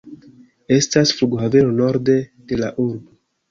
Estas flughaveno norde de la urbo.